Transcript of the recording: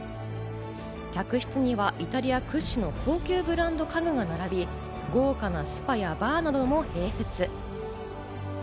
客室にはイタリア屈指の高級ブランド家具が並び、豪華なスパやバーなども併設。